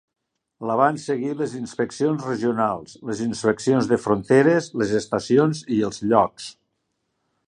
La van seguir les inspeccions regionals, les inspeccions de fronteres, les estacions i els llocs.